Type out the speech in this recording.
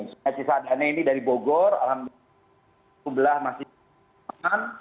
sungai cisadane ini dari bogor alhamdulillah masih di tangerang